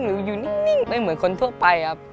อยู่นิ่งไม่เหมือนคนทั่วไปครับ